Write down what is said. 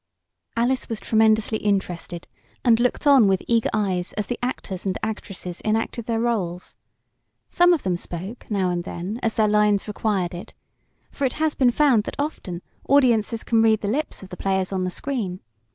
Alice was tremendously interested, and looked on with eager eyes as the actors and actresses enacted their rôles. Some of them spoke, now and then, as their lines required it, for it has been found that often audiences can read the lips of the players on the screen.